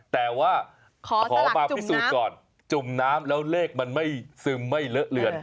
แต่ว่าขอมาพิสูจน์ก่อนจุ่มน้ำแล้วเลขมันไม่ซึมไม่เลอะเลือน